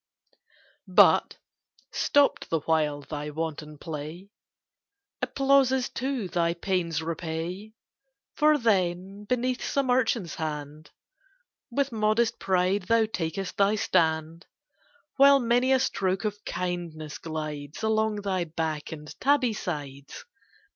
But, stopped the while thy wanton play, Applauses too thy pains repay: For then, beneath some urchin's hand With modest pride thou takest thy stand, While many a stroke of kindness glides Along thy back and tabby sides.